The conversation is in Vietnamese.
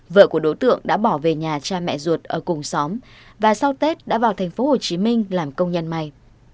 vợ của đối tượng đã bỏ về nhà cha mẹ ruột ở cùng xóm và sau tết đã vào thành phố hồ chí minh làm công nhân may